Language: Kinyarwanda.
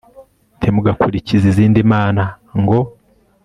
ntimugakurikire izindi mana ngo